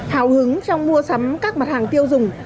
hào hứng trong mua sắm các mặt hàng tiêu dùng